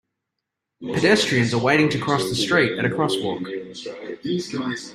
Pedestrians are waiting to cross the street at a crosswalk.